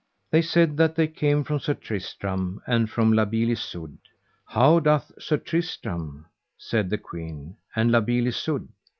They said that they came from Sir Tristram and from La Beale Isoud. How doth Sir Tristram, said the queen, and La Beale Isoud?